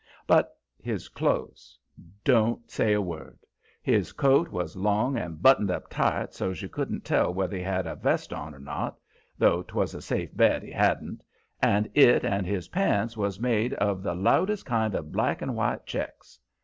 But his clothes don't say a word! His coat was long and buttoned up tight, so's you couldn't tell whether he had a vest on or not though 'twas a safe bet he hadn't and it and his pants was made of the loudest kind of black and white checks.